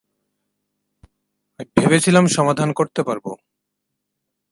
ভেবেছিলাম সমাধান করতে পারব।